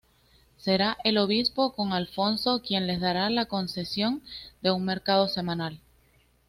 Será el obispo don Alfonso quien les dará la concesión de un mercado semanal.